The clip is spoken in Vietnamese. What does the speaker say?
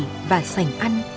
đầu kỳ và sành ăn